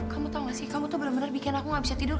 kamu tau gak sih kamu tuh bener bener bikin aku gak bisa tidur